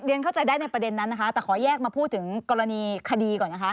เรียนเข้าใจในประเด็นนั้นแต่คอยแยกมาพูดถึงกรณีคดีก่อน